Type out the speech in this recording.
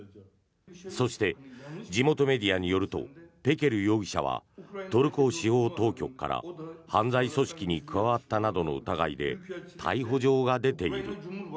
そして、地元メディアによるとペケル容疑者はトルコ司法当局から犯罪組織に加わったなどの疑いで逮捕状が出ている。